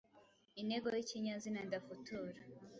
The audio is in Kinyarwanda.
Intego y’ikinyazina ndafutura